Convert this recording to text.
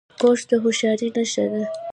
کورس د هوښیارۍ نښه ده.